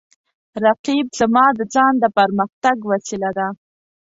رقیب زما د ځان د پرمختګ وسیله ده